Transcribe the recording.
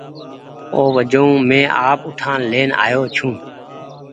او وجون مينٚ آپ اُٺآن لين آئو ڇوٚنٚ